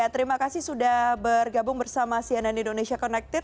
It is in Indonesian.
terima kasih sudah bergabung bersama cnn indonesia connected